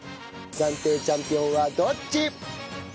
暫定チャンピオンはどっち！？